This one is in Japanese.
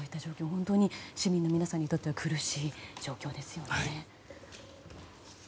本当に市民の皆さんにとっては苦しい状況ですよね。